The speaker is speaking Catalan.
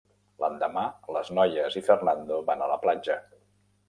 L'endemà, les noies i Fernando van a la platja.